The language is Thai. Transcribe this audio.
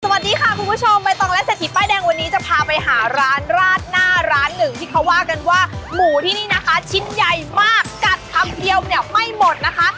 สวัสดีค่ะคุณผู้ชมใบตองและเศรษฐีป้ายแดงวันนี้จะพาไปหาร้านราดหน้าร้านหนึ่งที่เขาว่ากันว่าหมูที่นี่นะคะชิ้นใหญ่มากกัดคำเดียวเนี่ยไม่หมดนะคะ